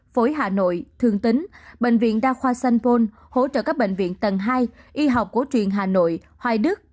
phối hà nội thường tính bệnh viện đa khoa sanh pôn hỗ trợ các bệnh viện tầng hai y học cổ truyền hà nội hoài đức